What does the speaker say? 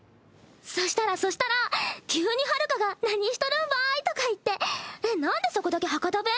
そしたらそしたら急に遙香が「何しとるんばい」とか言って「えっなんでそこだけ博多弁？」